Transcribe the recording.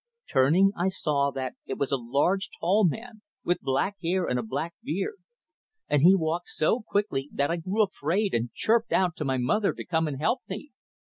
Turning, I saw that it was a large, tall man, with black hair and a black beard, and he walked so quickly that I grew afraid and chirped out to my mother to come and help me.